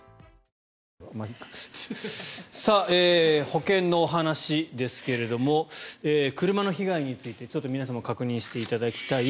保険のお話ですが車の被害についてちょっと皆さんも確認していただきたい。